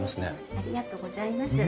ありがとうございます。